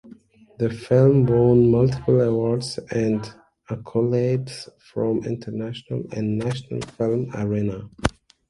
The film won multiple awards and accolades from international and national film arena.